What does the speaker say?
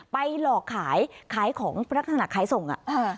ไปหลอกขายขายของลักษณะขายส่งอ่ะ